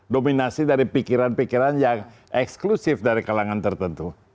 dominasi dari pikiran pikiran yang eksklusif dari kalangan tertentu